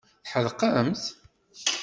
Tḥedqemt?